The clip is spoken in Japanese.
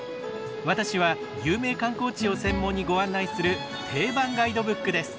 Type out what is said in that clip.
私は有名観光地を専門にご案内する定番ガイドブックです。